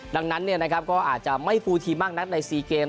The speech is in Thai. ดังนั้นก็อาจจะไม่ฟูลทีมมากนักใน๔เกม